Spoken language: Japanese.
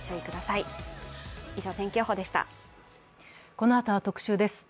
このあとは特集です。